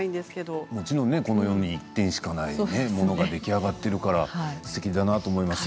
もちろんこの世に１点しかないものが出来上がっているからすてきだなと思います。